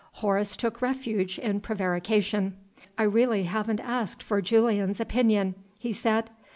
Horace took refuge in prevarication. "I really haven't asked for Julian's opinion," he said.